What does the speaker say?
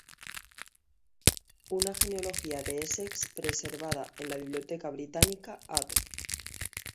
Una genealogía de Essex preservada en la Biblioteca británica Add.